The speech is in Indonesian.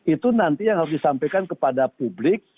itu nanti yang harus disampaikan kepada publik